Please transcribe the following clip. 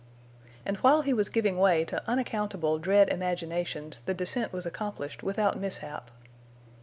And while he was giving way to unaccountable dread imaginations the descent was accomplished without mishap.